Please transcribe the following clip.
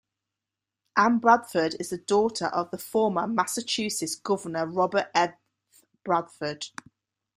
Ann Bradford is the daughter of former Massachusetts governor Robert F. Bradford.